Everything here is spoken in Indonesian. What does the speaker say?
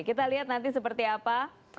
kita lihat nanti seperti apa